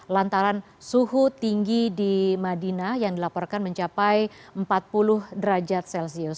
lantaran suhu tinggi di madinah yang dilaporkan mencapai empat puluh derajat celcius